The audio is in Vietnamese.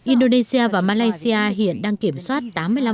indonesia và malaysia hiện đang kiểm soát